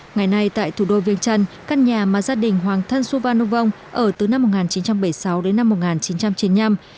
ngày nay tại thủ đô viên trần các nhà mà gia đình hoàng thân su phan ngu vong ở từ năm một nghìn chín trăm bảy mươi sáu đến năm một nghìn chín trăm chín mươi năm